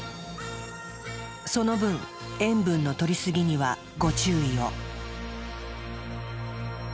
その分塩分のとりすぎにはご注意を。